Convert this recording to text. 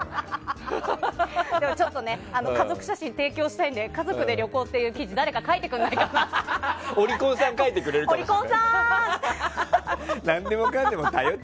家族写真を提供したいんで家族で旅行という記事を誰か書いてくれないかなって。